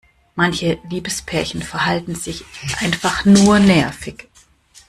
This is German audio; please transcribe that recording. Manche Liebespärchen verhalten sich einfach nur nervig.